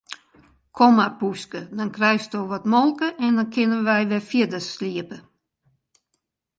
Kom mar poeske, dan krijsto wat molke en dan kinne wy wer fierder sliepe.